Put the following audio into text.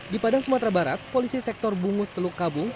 di padang sumatera barat polisi sektor bungus teluk kabung